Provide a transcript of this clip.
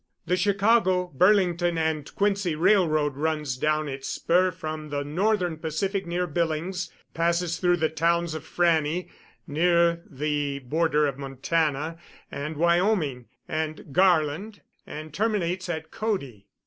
The Chicago, Burlington and Quincy Railroad runs down its spur from the Northern Pacific near Billings, passes through the towns of Frannie near the border of Montana and Wyoming and Garland, and terminates at Cody.